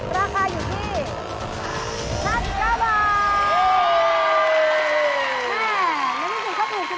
ราคาอยู่ที่